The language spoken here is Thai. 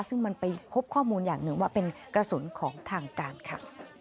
ซึ่งมันไปพบข้อมูลอย่างหนึ่งว่าเป็นกระสุนของทางการค่ะ